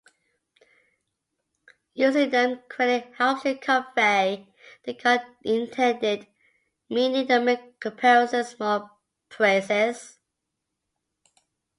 Using them correctly helps to convey the intended meaning and make comparisons more precise.